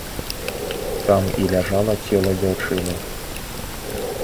Там і ляжала цела дзяўчыны.